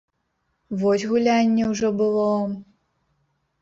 Вось гулянне ўжо было!